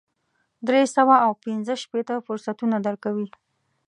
درې سوه او پنځه شپېته فرصتونه درکوي.